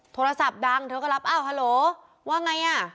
โทรศัพท์ดังเธอก็รับอ้าวฮัลโหลว่าไงอ่ะ